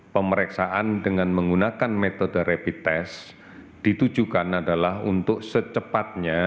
pemeriksaan dengan menggunakan metode rapid test ditujukan adalah untuk secepatnya